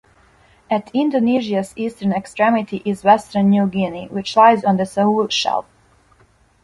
At Indonesia's eastern extremity is western New Guinea, which lies on the Sahul Shelf.